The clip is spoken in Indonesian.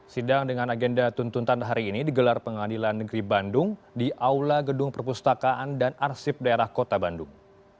sidang dengan agenda tuntutan hari ini digelar pengadilan negeri bandung di aula gedung perpustakaan dan arsip daerah kota bandung